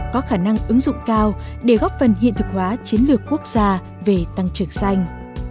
có khả năng ứng dụng cao để góp phần hiện thực hóa chiến lược quốc gia về tăng trưởng xanh